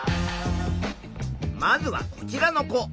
まずはこちらの子。